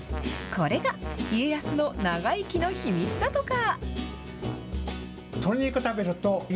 これが家康の長生きの秘密だとか。